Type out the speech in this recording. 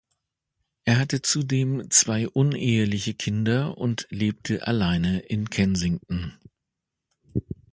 Er hatte zudem zwei uneheliche Kinder und lebte alleine in Kensington.